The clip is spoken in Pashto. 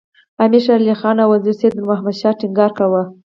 امیر شېر علي خان او وزیر سید نور محمد شاه ټینګار کاوه.